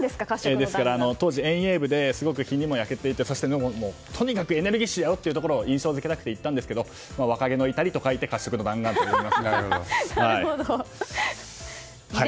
当時、遠泳部ですごく日にも焼けていてそしてとにかくエネルギッシュだよということを印象付けたくて言ったんですけど若気の至りと書いて褐色の弾丸と言っていました。